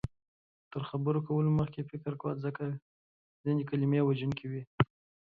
تر خبرو کولو مخکې فکر کوه، ځکه ځینې کلمې وژونکې وي